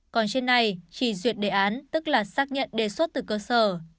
còn trên này chỉ duyệt đề án tức là xác nhận đề xuất từ cơ sở